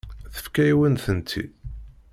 Tefka-yawen-tent-id.